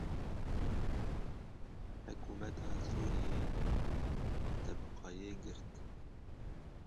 Hikûmeta Sûriyê deriyê Tebqayê girt.